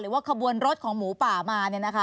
หรือว่าขบวนรถของหมูป่ามา